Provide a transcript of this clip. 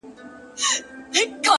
• چي د شپې یې رنګارنګ خواړه خوړله ,